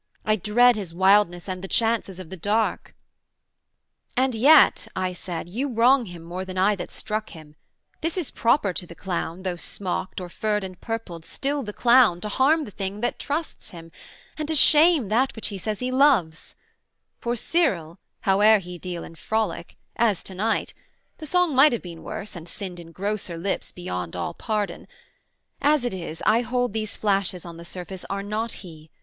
I dread His wildness, and the chances of the dark.' 'And yet,' I said, 'you wrong him more than I That struck him: this is proper to the clown, Though smocked, or furred and purpled, still the clown, To harm the thing that trusts him, and to shame That which he says he loves: for Cyril, howe'er He deal in frolic, as tonight the song Might have been worse and sinned in grosser lips Beyond all pardon as it is, I hold These flashes on the surface are not he.